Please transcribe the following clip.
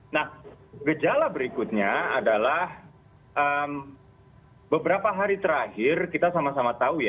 nah gejala berikutnya adalah beberapa hari terakhir kita sama sama tahu ya